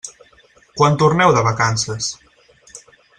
Quan torneu de vacances?